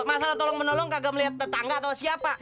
masalah tolong menolong kagak melihat tetangga atau siapa